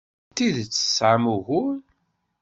D tidet tesɛamt ugur.